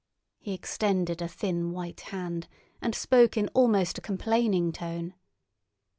He extended a thin white hand and spoke in almost a complaining tone.